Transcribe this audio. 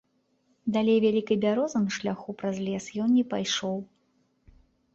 Далей вялікай бярозы на шляху праз лес ён не пайшоў.